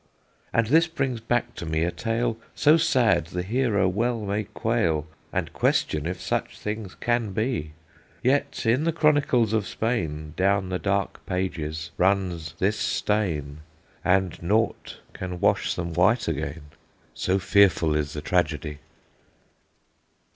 "And this brings back to me a tale So sad the hearer well may quail, And question if such things can be; Yet in the chronicles of Spain Down the dark pages runs this stain, And naught can wash them white again, So fearful is the tragedy."